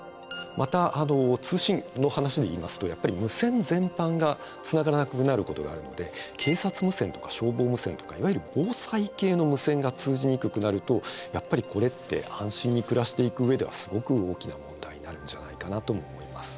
また通信の話でいいますとやっぱり無線全般がつながらなくなることがあるので警察無線とか消防無線とかいわゆる防災系の無線が通じにくくなるとやっぱりこれって安心に暮らしていく上ではすごく大きな問題になるんじゃないかなとも思います。